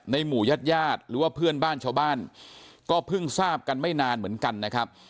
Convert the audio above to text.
หมู่ญาติญาติหรือว่าเพื่อนบ้านชาวบ้านก็เพิ่งทราบกันไม่นานเหมือนกันนะครับ